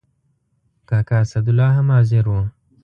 کاکا اسدالله هم حاضر و.